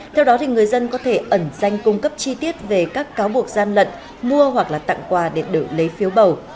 theo đó người dân có thể ẩn danh cung cấp chi tiết về các cáo buộc gian lận mua hoặc là tặng quà để được lấy phiếu bầu